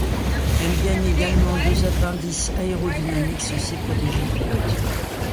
Elle gagne également deux appendices aérodynamiques censés protéger le pilote.